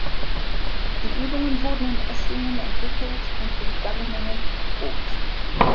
Die Übungen wurden in Esslingen entwickelt und in Gaggenau erprobt.